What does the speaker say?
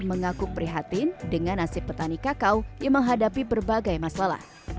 mengaku prihatin dengan nasib petani kakao yang menghadapi berbagai masalah